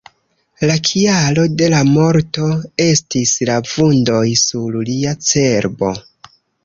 La kialo de la morto estis la vundoj sur lia cerbo.